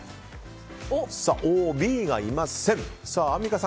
Ｂがいません。